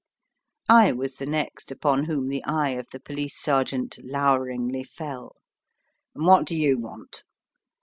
I was the next upon whom the eye of the police sergeant loweringly fell. "What do you want?"